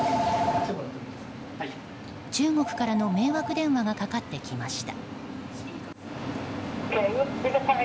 中国からの迷惑電話がかかってきました。